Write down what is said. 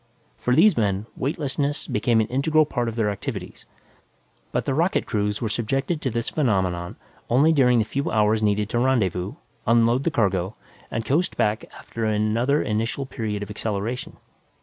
For these men, weightlessness became an integral part of their activities, but the rocket crews were subjected to this phenomenon only during the few hours needed to rendezvous, unload the cargo, and coast back after another initial period of acceleration.